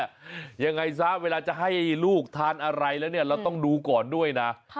ยังไงซะเวลาจะให้ลูกทานอะไรแล้วเนี่ยเราต้องดูก่อนด้วยนะ